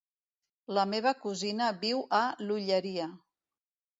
La meva cosina viu a l'Olleria.